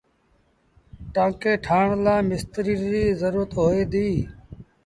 ٽآنڪي ٺآهڻ لآ مستريٚ ريٚ زرورت هوئي ديٚ